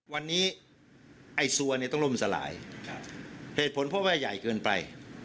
วันนี้ไอ้ซัวเนี่ยต้องล่มสลายเหตุผลเพราะว่าใหญ่เกินไป